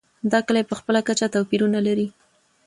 دا کلي په خپله کچه توپیرونه لري.